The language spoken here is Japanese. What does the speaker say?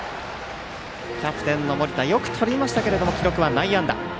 キャプテンの盛田よくとりましたけども記録は内野安打。